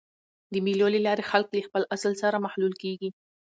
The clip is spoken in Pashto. د مېلو له لاري خلک له خپل اصل سره مښلول کېږي.